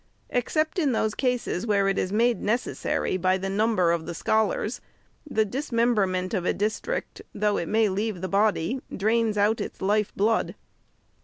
Except in those cases where it is made necessary by the number of the scholars, the dismemberment of a district, though it may leave the body, drains out its life blood.